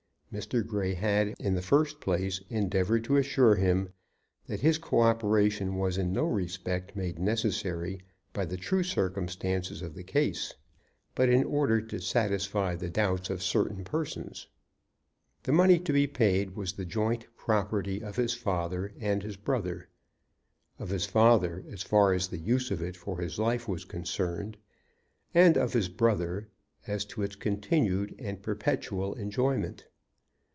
Mr. Grey had, in the first place, endeavored to assure him that his co operation was in no respect made necessary by the true circumstances of the case, but in order to satisfy the doubts of certain persons. The money to be paid was the joint property of his father and his brother, of his father, as far as the use of it for his life was concerned, and of his brother, as to its continued and perpetual enjoyment.